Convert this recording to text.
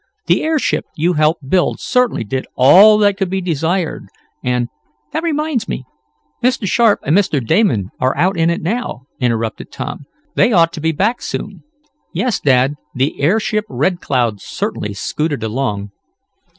The airship you helped build certainly did all that could be desired, and " "That reminds me. Mr. Sharp and Mr. Damon are out in it now," interrupted Tom. "They ought to be back soon. Yes, Dad, the airship Red Cloud certainly scooted along."